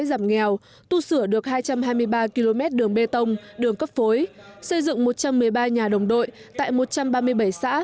giảm nghèo tu sửa được hai trăm hai mươi ba km đường bê tông đường cấp phối xây dựng một trăm một mươi ba nhà đồng đội tại một trăm ba mươi bảy xã